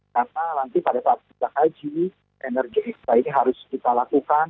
karena nanti pada saat kita haji energi ekstra ini harus kita lakukan